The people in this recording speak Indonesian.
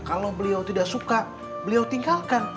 kalau beliau tidak suka beliau tinggalkan